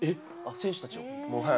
選手たちを？